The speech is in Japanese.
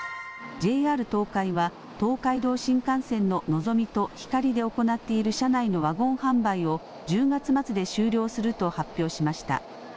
ＪＲ東海は、東海道新幹線ののぞみとひかりで行っている車内のワゴン販売を、１０月末で終了すると発表しました。